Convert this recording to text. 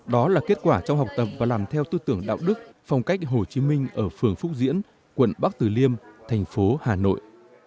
đó là kết quả trong học tập và làm theo tư tưởng đạo đức phong cách hồ chí minh ở phường phúc diễn quận bắc từ liêm thành phố hà nội